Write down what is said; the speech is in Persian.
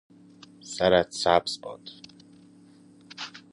سرت سبز باد